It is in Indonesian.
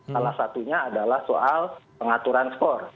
salah satunya adalah soal pengaturan skor